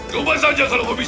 coba saja kalau kau bisa